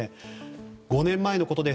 ５年前のことです。